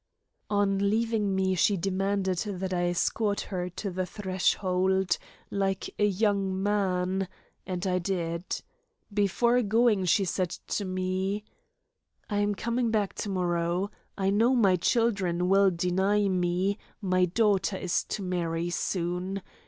On leaving me she demanded that I escort her to the threshold, like a young man; and I did. Before going she said to me: "I am coming back to morrow. I know my children will deny me my daughter is to marry soon.